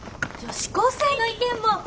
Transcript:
女子高生の意見も。